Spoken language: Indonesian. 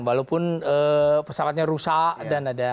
walaupun pesawatnya rusak dan ada